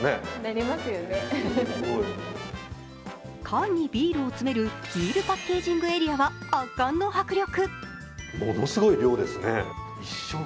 缶にビールを詰めるビールパッケージングエリアは圧巻の迫力。